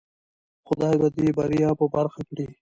خدای به دی بریا په برخه کړی